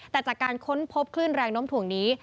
แต่จากการค้นพบคลื่นแรงน้มถ่วงนี้